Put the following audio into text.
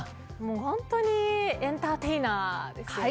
本当にエンターテイナーですよね。